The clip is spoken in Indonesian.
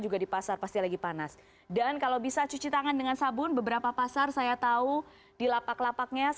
di lapangan di pasar pasti lagi panas dan kalau bisa cuci tangan dengan sabun beberapa pasar saya tahu di lapangan bisa lagi panas